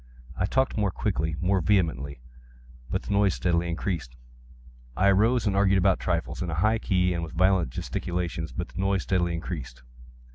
I talked more quickly—more vehemently; but the noise steadily increased. I arose and argued about trifles, in a high key and with violent gesticulations; but the noise steadily increased.